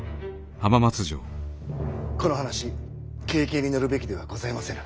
この話軽々に乗るべきではございませぬ。